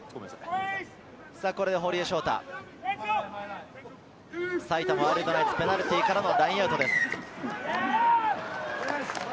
これで堀江翔太、埼玉ワイルドナイツ、ペナルティーからのラインアウトです。